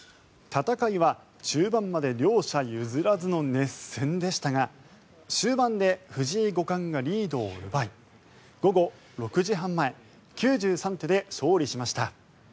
戦いは中盤まで両者譲らずの熱戦でしたが終盤で藤井五冠がリードを奪い午後６時半前９３手で勝利しました。